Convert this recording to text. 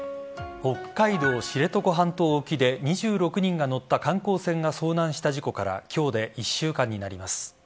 北海道知床半島沖で２６人が乗った観光船が遭難した事故から今日で１週間になります。